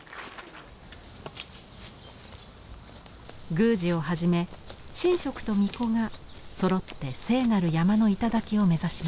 宮司をはじめ神職と巫女がそろって聖なる山の頂を目指します。